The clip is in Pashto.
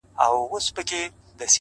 بدكارمو كړی چي وركړي مو هغو ته زړونه ـ